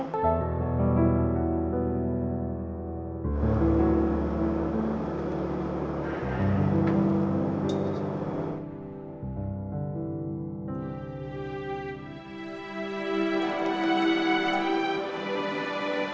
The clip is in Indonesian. kalau kamu mau saya akan bantu